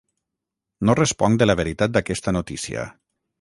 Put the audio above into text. No responc de la veritat d'aquesta notícia.